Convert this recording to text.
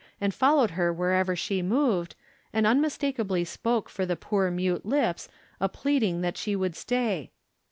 and followed her wherever she moved, and un mistakably spoke for the poor mute lips a plead ing that she would stay.